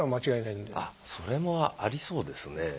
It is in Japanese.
それもありそうですねぇ。